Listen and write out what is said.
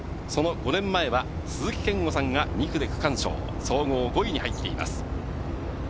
その５年前は鈴木健吾さんが２区で区間賞、総合５位に入っています。